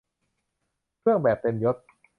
เครื่องแบบเต็มยศ